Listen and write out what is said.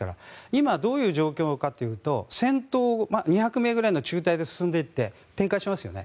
今、どういう状況かというと２００名ぐらいの中隊で進んでいって展開していますよね